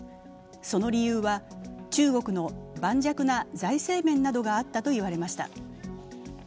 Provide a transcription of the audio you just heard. その理由は、中国の盤石な財政面などがあったと言われました。